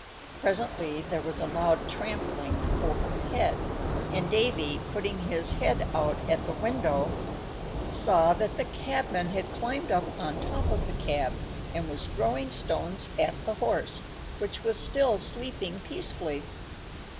Presently there was a loud trampling overhead, and Davy, putting his head out at the window, saw that the cabman had climbed up on top of the cab and was throwing stones at the horse, which was still sleeping peacefully.